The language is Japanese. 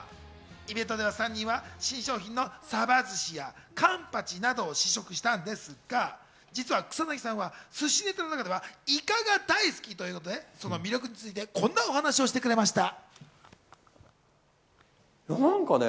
イベントで３人は新商品のサバ寿司やカンパチなどを試食したんですが、実は草なぎさんは寿司ネタの中ではイカが大好きということで、その魅力についてこんなお話をしてくれました。